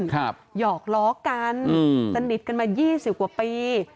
ครับยอกล้อกันสนิทกันมา๒๐กว่าปี